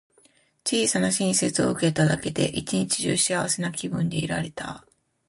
小さな親切を受けただけで、一日中幸せな気分でいられた。